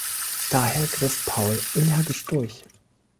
Daher griff Paul energisch durch.